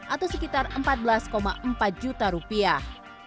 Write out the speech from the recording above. atau sekitar empat belas empat juta rupiah